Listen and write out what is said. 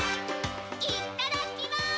いただきます。